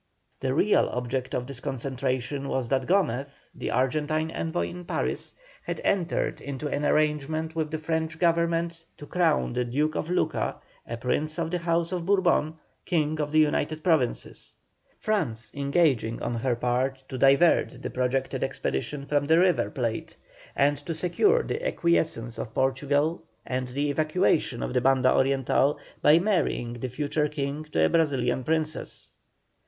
The real object of this concentration was that Gomez, the Argentine envoy in Paris, had entered into an arrangement with the French Government to crown the Duke of Luca, a Prince of the House of Bourbon, King of the United Provinces; France engaging on her part to divert the projected expedition from the River Plate, and to secure the acquiescence of Portugal and the evacuation of the Banda Oriental by marrying the future king to a Brazilian Princess.